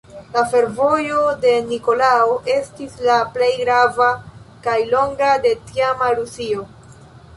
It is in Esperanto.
La fervojo de Nikolao estis la plej grava kaj longa en tiama Rusio.